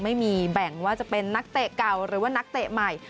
ไม่มีแบ่งว่าจะเป็นนักเตะเก่าหรือว่านักเตะใหม่